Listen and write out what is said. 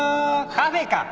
カフェか！